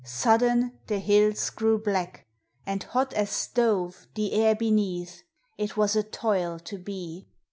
Sudden the hills grew black, and hot as stove The air beneath ; it was a toil to be.